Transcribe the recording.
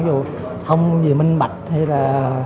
dù không gì minh bạch hay là